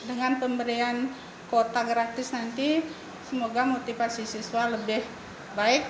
dengan pemberian kuota gratis nanti semoga motivasi siswa lebih baik